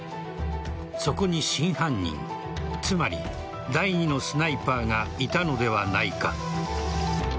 そこに真犯人つまり第２のスナイパーがいたのではないか。